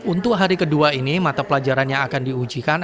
untuk hari kedua ini mata pelajarannya akan diujikan